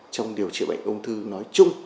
trong điều trị bệnh ung thư nói chung